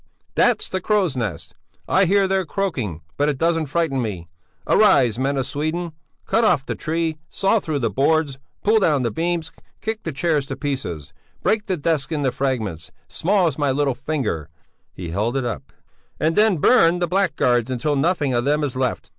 "That's the crows' nest! I hear their croaking, but it doesn't frighten me! Arise, men of Sweden! Cut off the tree, saw through the boards, pull down the beams, kick the chairs to pieces, break the desks into fragments, small as my little finger he held it up and then burn the blackguards until nothing of them is left.